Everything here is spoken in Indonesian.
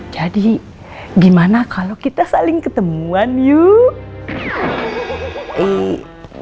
jadi gimana kalau kita saling ketemuan yuk